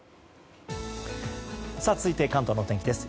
続いて関東の天気です。